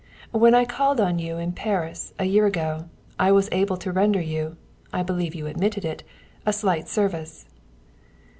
When I called on you in Paris, a year ago, I was able to render you I believe you admitted it a slight service."